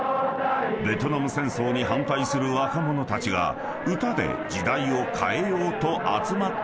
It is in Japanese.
［ベトナム戦争に反対する若者たちが歌で時代を変えようと集まった集会］